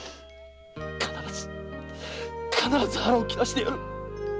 必ず腹を切らせてやる！